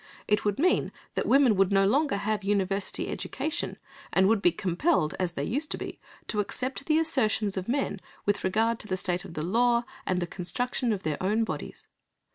It would mean that women would no longer have university education and would be compelled, as they used to be, to accept the assertions of men with regard to the state of the law and the construction of their own bodies.